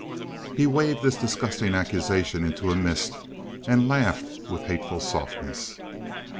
He waved this disgusting accusation into a mist and laughed with hateful softness.